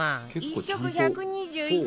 １食１２１円